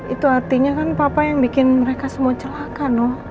itu artinya kan papa yang bikin mereka semua celaka no